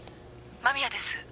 間宮です。